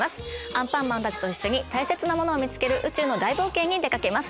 アンパンマンたちと一緒に大切なものを見つける宇宙の大冒険に出かけます。